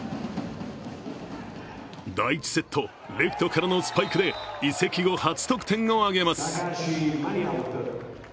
第１セット、レフトからのスパイクで移籍後初得点を挙げます。